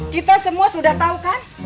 kita semua sudah tahu kan